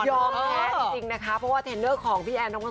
ยอมแพ้เพราะว่าท็เลนเดอร์ของพี่แอน